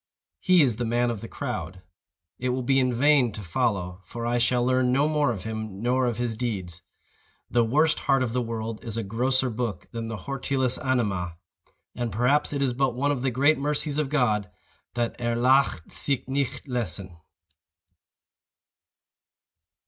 He is the man of the crowd. It will be in vain to follow; for I shall learn no more of him, nor of his deeds. The worst heart of the world is a grosser book than the 'Hortulus Animæ,' {*1} and perhaps it is but one of the great mercies of God that '_er lasst sich nicht lesen.